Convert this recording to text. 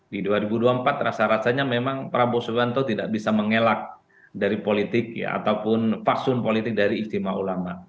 di dua ribu dua puluh empat rasa rasanya memang prabowo subianto tidak bisa mengelak dari politik ataupun faksun politik dari istimewa ulama